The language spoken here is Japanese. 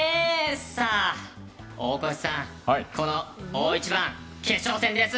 さあ大越さん、この大一番決勝戦です。